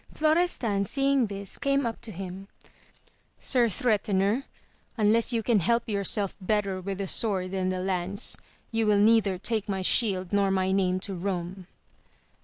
Florestan seeing this came up to him. Sir Threatener, unless you can help yourself better with the sword than the lance, you will neither take my shield nor my name to Eome.